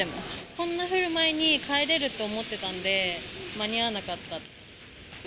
そんな降る前に帰れると思ってたんで、間に合わなかった。